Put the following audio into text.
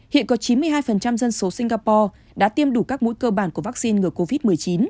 hiện có chín mươi hai dân số singapore đã tiêm đủ các mũi cơ bản của vaccine ngừa covid một mươi chín